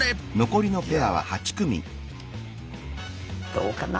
どうかな？